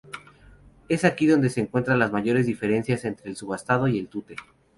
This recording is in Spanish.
Es aquí donde se encuentran las mayores diferencias entre el subastado y el tute.